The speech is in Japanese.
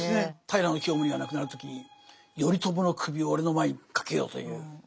平清盛が亡くなる時に「頼朝の首を俺の前にかけよ」という。